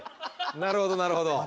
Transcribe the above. なるほどなるほど。